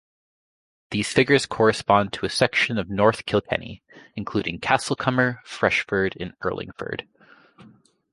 These figures correspond to a section of North Kilkenny, including Castlecomer, Freshford and Urlingford.